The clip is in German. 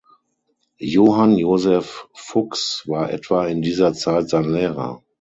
Johann Joseph Fux war etwa in dieser Zeit sein Lehrer.